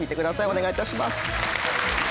お願いいたします。